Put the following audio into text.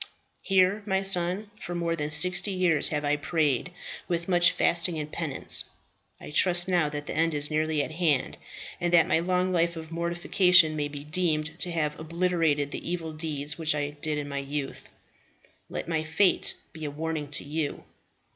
"Here, my son, for more than sixty years have I prayed, with much fasting and penance. I trust now that the end is nearly at hand, and that my long life of mortification may be deemed to have obliterated the evil deeds which I did in my youth. Let my fate be a warning to you.